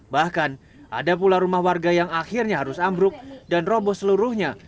bahkan ada pula rumah warga yang akhirnya harus ambruk dan roboh seluruhnya